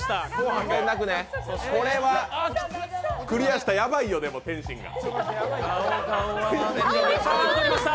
これは、クリアしたら、ヤバいよ、天心が。